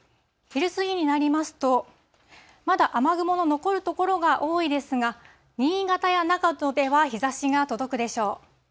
昼過ぎになりますと、まだ雨雲の残る所が多いですが、新潟や長野では日ざしが届くでしょう。